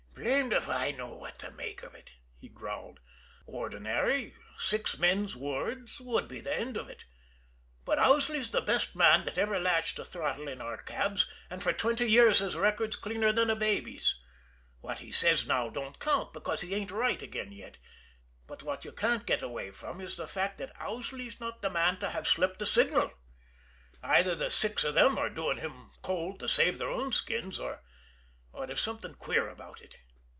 "Blamed if I know what to make of it!" he growled. "Ordinary, six men's words would be the end of it, but Owsley's the best man that ever latched a throttle in our cabs, and for twenty years his record's cleaner than a baby's. What he says now don't count, because he ain't right again yet; but what you can't get away from is the fact that Owsley's not the man to have slipped a signal. Either the six of them are doing him cold to save their own skins, or there's something queer about it."